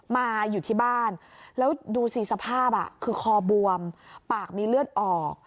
มาอยู่ที่บ้านแล้วดูสิสภาพคือคอบวมปากมีเลือดออก